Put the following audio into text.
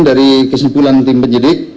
dari kesimpulan tim penyelidik